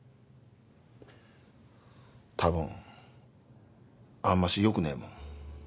たぶんあんましよくねえもん。